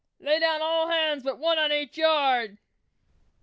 "Lay down, all hands but one on each yard!"